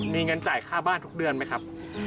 มีเงินจ่ายค่าบ้านทุกเดือนไหมครับ